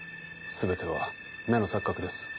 全ては目の錯覚です。